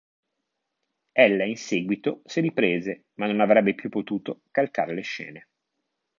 Ella in seguito si riprese ma non avrebbe più potuto calcare le scene.